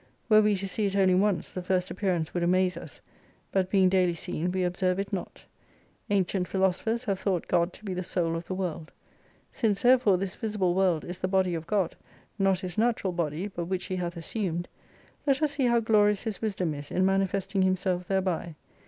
Were we to see it only once, the first appearance would amaze us. But being daily seen, we observe it not. Ancient philoso phers have thought God to be the Soul of the World. Since therefore this visible World is the body of God, not His natural body, but which He hath assumed ; let us see how glorious His wisdom is in manifesting Himself thereby.